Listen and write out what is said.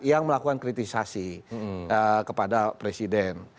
yang melakukan kritisasi kepada presiden